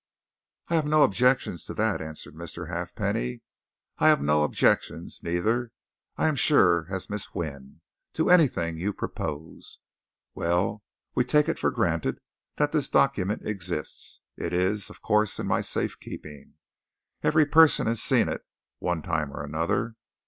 "I have no objections to that," answered Mr. Halfpenny. "I have no objection neither, I am sure, has Miss Wynne to anything you propose. Well, we take it for granted that this document exists it is, of course, in my safe keeping. Every person has seen it, one time or another.